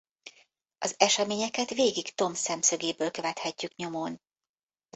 Az eseményeket végig Tom szemszögéből követhetjük nyomon.